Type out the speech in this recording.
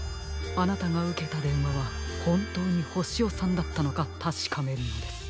あなたがうけたでんわはほんとうにホシヨさんだったのかたしかめるのです。